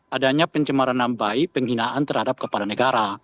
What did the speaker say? adanya pencemaran nambai penghinaan terhadap kepada negara